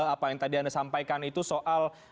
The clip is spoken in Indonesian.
apa yang tadi anda sampaikan itu soal